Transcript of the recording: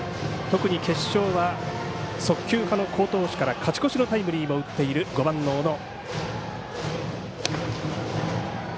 特に決勝は、速球派の好投手から勝ち越しのタイムリーも打っている５番の小野。